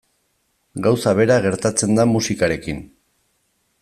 Gauza bera gertatzen da musikarekin.